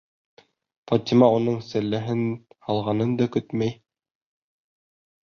Фатима уның сәлләһен һалғанын да көтмәй: